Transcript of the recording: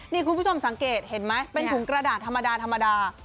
นี่คุณผู้ชมสังเกตเห็นไหมเป็นถุงกระดาษธรรมดาธรรมดา